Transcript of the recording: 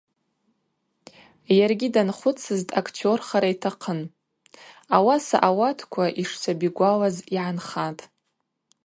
Йаргьи данхвыцыз дактерхара йтахъын, ауаса ауатква йшсаби гвалаз йгӏанхатӏ.